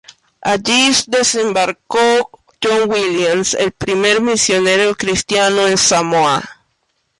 Allí desembarcó John Williams, el primer misionero cristiano en Samoa.